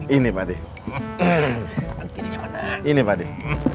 ini pak dek